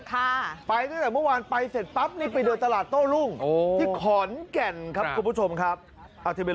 ข่าววันไปเสร็จปรับปัดนี่ไปเดียวตลาดโต้รุ่งข่อนแก่นครับคุณผู้ชมครับ